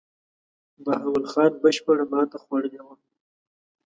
بهاول خان بشپړه ماته خوړلې وه.